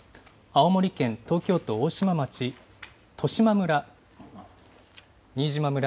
青森県、東京都大島町、利島村、